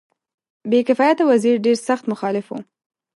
بې کفایته وزیر ډېر سخت مخالف وو.